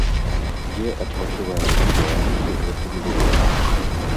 Дзе адпачываюць беларусы гэтым летам?